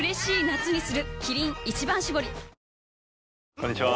こんにちは。